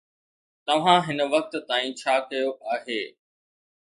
توهان هن وقت تائين ڇا ڪيو آهي؟